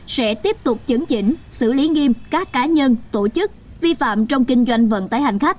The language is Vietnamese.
sẽ tiếp tục chấn chỉnh xử lý nghiêm các cá nhân tổ chức vi phạm trong kinh doanh vận tải hành khách